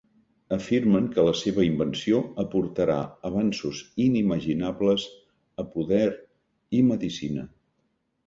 Afirmen que la seva invenció aportarà avanços inimaginables a poder i medicina.